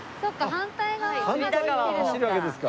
反対側を走るわけですか。